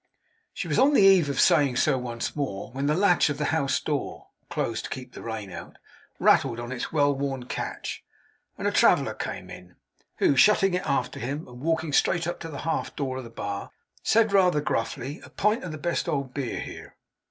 She was on the eve of saying so, once more, when the latch of the house door (closed to keep the rain out), rattled on its well worn catch, and a traveller came in, who, shutting it after him, and walking straight up to the half door of the bar, said, rather gruffly: 'A pint of the best old beer here.